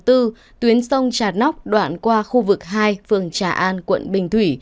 tuyến sông trà nóc đoạn qua khu vực hai phường trà an quận bình thủy